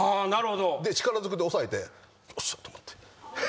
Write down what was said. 力ずくで抑えてよっしゃって思って。